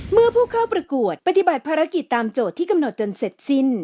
เมื่อผู้เข้าประกวดปฏิบัติภารกิจตามโจทย์ที่กำหนดจนเสร็จสิ้น